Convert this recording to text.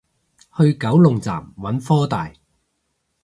去九龍站揾科大